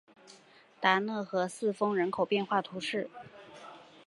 达讷和四风人口变化图示